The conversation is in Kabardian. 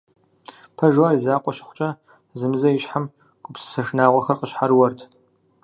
Пэжу, ар и закъуэ щыхъукӏэ, зэзэмызэ и щхьэм гупсысэ шынагъуэхэр къищхьэрыуэрт.